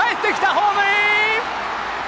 ホームイン！